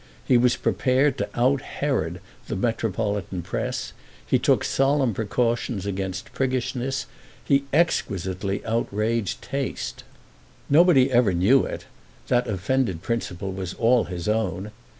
He was prepared to out Herod the metropolitan press; he took solemn precautions against priggishness, he exquisitely outraged taste. Nobody ever knew it—that offended principle was all his own.